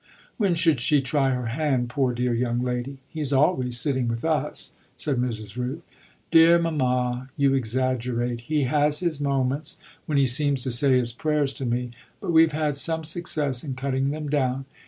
"When should she try her hand, poor dear young lady? He's always sitting with us," said Mrs. Rooth. "Dear mamma, you exaggerate. He has his moments when he seems to say his prayers to me; but we've had some success in cutting them down.